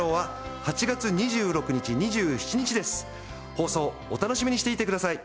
放送お楽しみにしていてください。